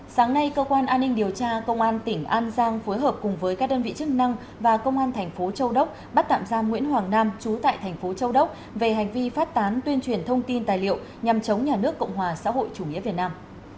sáng nay cơ quan an ninh điều tra công an tỉnh an giang phối hợp cùng với các đơn vị chức năng và công an thành phố châu đốc bắt tạm giam nguyễn hoàng nam trú tại thành phố châu đốc về hành vi phát tán tuyên truyền thông tin tài liệu nhằm chống nhà nước cộng hòa xã hội chủ nghĩa việt nam